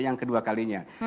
yang kedua kalinya